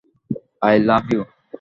I love you.